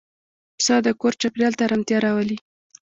پسه د کور چاپېریال ته آرامتیا راولي.